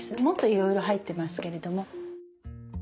もっといろいろ入ってますけれども。